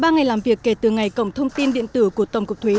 ba ngày làm việc kể từ ngày cổng thông tin điện tử của tổng cục thuế